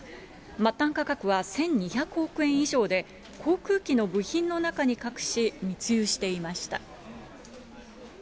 末端価格は１２００億円以上で、航空機の部品の中に隠し、密輸していました。